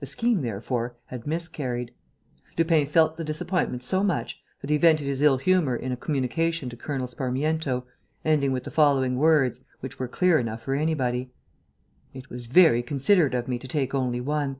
The scheme, therefore, had miscarried. Lupin felt the disappointment so much that he vented his ill humour in a communication to Colonel Sparmiento, ending with the following words, which were clear enough for anybody: "It was very considerate of me to take only one.